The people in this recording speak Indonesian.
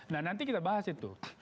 nah nanti kita bahas itu